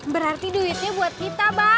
berarti duitnya buat kita pak